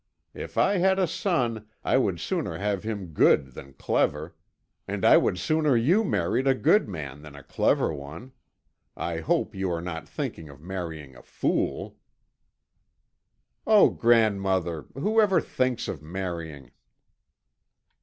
If I had a son, I would sooner have him good than clever; and I would sooner you married a good man than a clever one, I hope you are not thinking of marrying a fool." "Oh, grandmother, whoever thinks of marrying?"